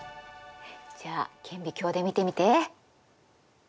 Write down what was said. じゃあ顕微鏡で見てみて。